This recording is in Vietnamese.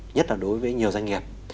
nhất là đối với nhiều doanh nghiệp